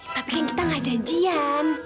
tapi kan kita gak janjian